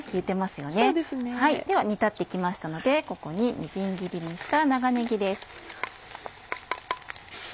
では煮立って来ましたのでここにみじん切りにした長ねぎです。